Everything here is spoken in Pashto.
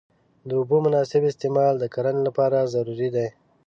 د اوبو مناسب استعمال د کرنې لپاره ضروري دی.